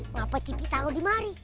ngapain tipi taro dimari